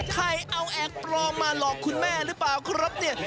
ใครเอาแอกปลอมมาหลอกคุณแม่หรือเปล่าครับเนี่ย